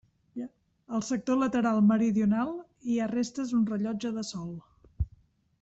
Al sector lateral meridional hi ha restes d’un rellotge de sol.